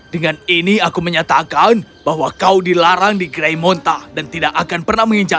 dengan ini aku menyatakan bahwa kau dilarang di greymonta dan tidak akan pernah berada di greymonta